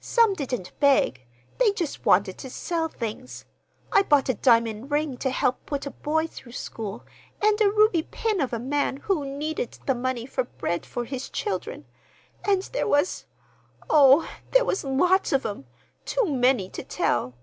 Some didn't beg; they just wanted to sell things. I bought a diamond ring to help put a boy through school, and a ruby pin of a man who needed the money for bread for his children. And there was—oh, there was lots of 'em—too many to tell."